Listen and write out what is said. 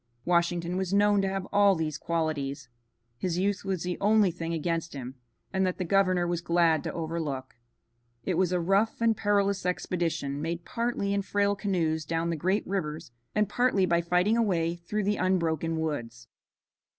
Washington was known to have all these qualities. His youth was the only thing against him, and that the governor was glad to overlook. It was a rough and perilous expedition, made partly in frail canoes down the great rivers, and partly by fighting a way through the unbroken woods.